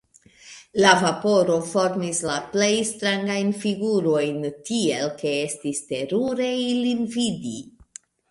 La vaporo formis la plej strangajn flgurojn, tiel ke estis terure ilin vidi.